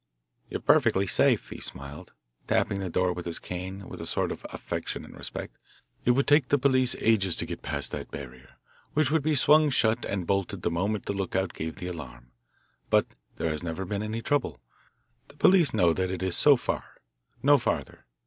"You're perfectly safe," he smiled, tapping the door with his cane with a sort of affectionate respect. "It would take the police ages to get past that barrier, which would be swung shut and bolted the moment the lookout gave the alarm. But there has never been any trouble. The police know that it is so far, no farther.